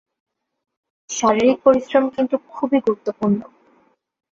শারীরিক পরিশ্রম কিন্তু খুবই গুরুত্বপূর্ণ।